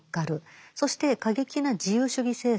そして過激な自由主義政策を入れる。